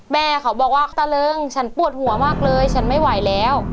แม่เขาบอกว่าตะเริงฉันปวดหัวมากเลยฉันไม่ไหวแล้ว